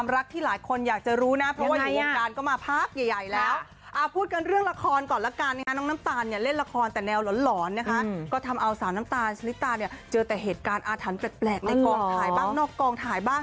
น้ำตาลเจอแต่เหตุการณ์อาถรรพ์แปลกในกล่องถ่ายบ้างนอกกล่องถ่ายบ้าง